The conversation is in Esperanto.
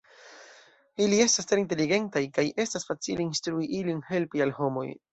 Ili estas tre inteligentaj, kaj estas facile instrui ilin helpi al homoj.